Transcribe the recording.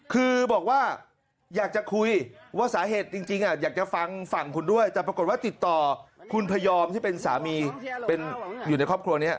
คือบอกว่าอยากจะคุยว่าสาเหตุจริงอยากจะฟังฝั่งคุณด้วยแต่ปรากฏว่าติดต่อคุณพยอมที่เป็นสามีเป็นอยู่ในครอบครัวนี้